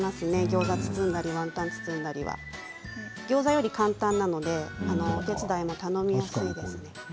ギョーザを包んだりワンタンを包んだりギョーザよりも簡単なのでお手伝いしやすいです。